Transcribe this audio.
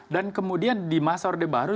dan kemudian di masa orde baru